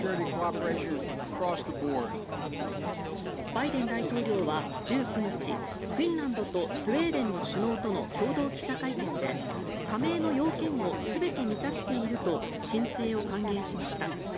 バイデン大統領は１９日フィンランドとスウェーデンの首脳との共同記者会見で加盟の要件を全て満たしていると申請を歓迎しました。